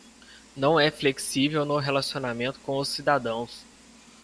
Não é flexível no relacionamento com os cidadãos.